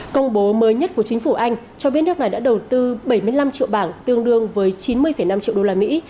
công bố mới nhất của chính phủ anh cho biết nước này đã đầu tư bảy mươi năm triệu bảng tương đương với chín mươi năm triệu đô la mỹ